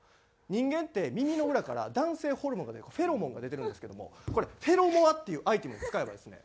人間って耳の裏から男性ホルモンが出るフェロモンが出てるんですけどもこれフェロモアっていうアイテムを使えばですね